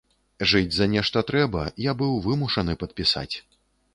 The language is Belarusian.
Жыць за нешта трэба, я быў вымушаны падпісаць.